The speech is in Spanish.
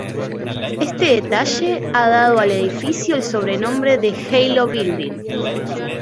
Este detalle ha dado al edificio el sobrenombre de "Halo Building".